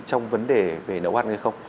trong vấn đề về nấu ăn hay không